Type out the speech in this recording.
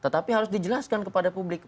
tapi bagi publik